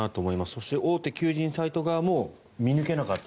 そして大手求人サイト側も見抜けなかった。